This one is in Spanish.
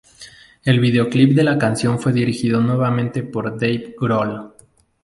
El videoclip de la canción fue dirigido nuevamente por Dave Grohl.